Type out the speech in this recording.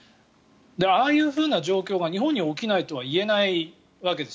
ああいう状況が日本に起きないとは言えないわけです。